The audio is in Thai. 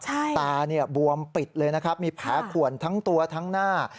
ตาเนี่ยบวมปิดเลยนะครับมีแผลขวนทั้งตัวทั้งหน้า